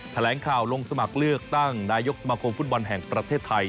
แถลงข่าวลงสมัครเลือกตั้งนายกสมาคมฟุตบอลแห่งประเทศไทย